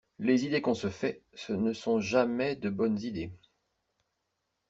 Les idées qu’on se fait, ce ne sont jamais de bonnes idées.